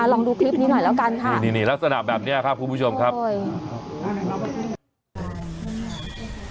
ลองดูคลิปนี้หน่อยแล้วกันค่ะนี่นี่ลักษณะแบบนี้ครับคุณผู้ชมครับ